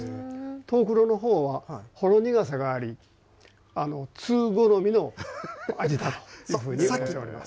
藤九郎のほうはほろ苦さがあり、通好みの味というふうにいわれております。